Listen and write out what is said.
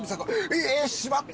ええっしまった！